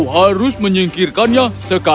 harus lima pada wisata mereka